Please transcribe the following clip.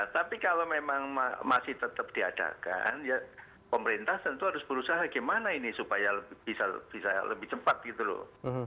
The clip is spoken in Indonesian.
tapi kalau memang masih tetap diadakan ya pemerintah tentu harus berusaha gimana ini supaya bisa lebih cepat gitu loh